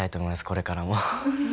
これからも。